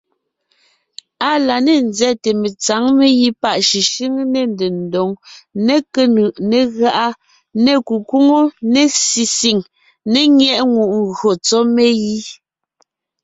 Á la ne ńzáʼte metsǎŋ megǐ páʼ shʉshʉ́ŋe, ne ndedóŋ, ne kénʉʼ, ne gáʼa, ne kukwóŋo, ne sisìŋ ne nyɛ́ʼŋùʼ ngÿo tsɔ́ megǐ.